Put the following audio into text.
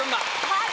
はい！